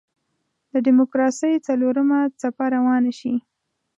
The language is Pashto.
د دیموکراسۍ څلورمه څپه روانه شي.